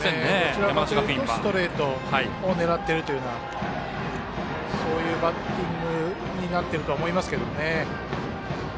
どちらかというとストレートを狙っているというそういうバッティングになっていると思います。